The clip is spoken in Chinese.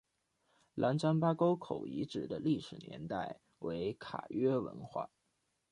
兰占巴沟口遗址的历史年代为卡约文化。